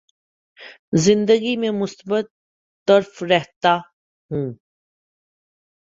زندگی میں مثبت طرف رہتا ہوں